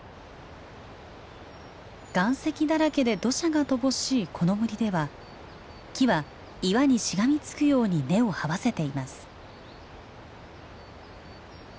岩石だらけで土砂が乏しいこの森では木は岩にしがみつくように根をはわせています。